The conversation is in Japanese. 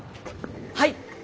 はい！